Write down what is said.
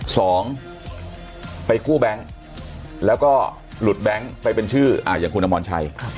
สองไปกู้แบงค์แล้วก็หลุดแบงค์ไปเป็นชื่ออย่างคุณอมรชัย